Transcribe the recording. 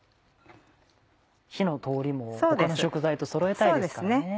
火の通りも他の食材とそろえたいですからね。